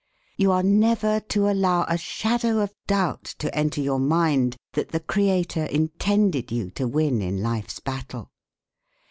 You are never to allow a shadow of doubt to enter your mind that the Creator intended you to win in life's battle.